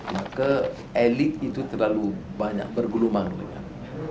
maka elit itu terlalu banyak berguluman dengan